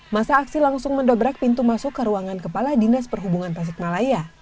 masa aksi langsung mendobrak pintu masuk ke ruangan kepala dinas perhubungan tasikmalaya